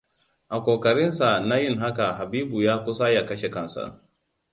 A ƙoƙarinsa na yin haka Habibu ya kusa ya kashe kansa.